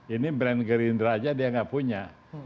ini brand gerindra aja dia nggak punya